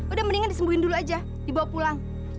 udah mendingan disembuhin dulu aja dibawa pulang